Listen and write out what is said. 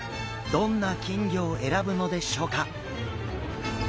どんな金魚を選ぶのでしょうか？